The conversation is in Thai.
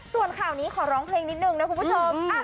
ส่วนข่าวนี้ขอร้องเพลงนิดนึงนะคุณผู้ชม